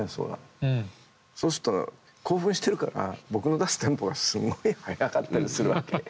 そうすると興奮してるから僕の出すテンポがすごい速かったりするわけ。